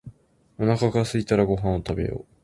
おなかがすいたらご飯を食べよう